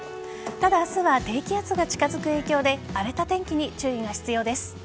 ただ明日は低気圧が近づく影響で荒れた天気に注意が必要です。